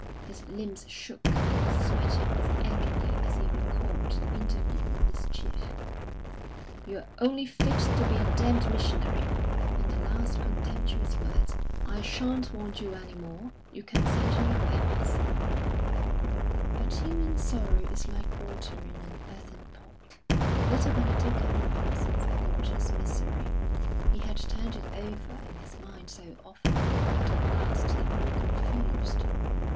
His limbs shook and he sweated with agony as he recalled the interview with his chief: "You're only fit to be a damned missionary," and the last contemptuous words, "I shan't want you any more. You can send in your papers." But human sorrow is like water in an earthen pot. Little by little Colonel Parsons forgot his misery; he had turned it over in his mind so often that at last he grew confused.